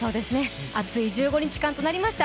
熱い１５日間となりました。